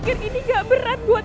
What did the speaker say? aku ingin ketemu dengan dia